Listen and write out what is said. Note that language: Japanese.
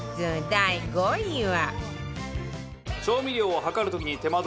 第５位は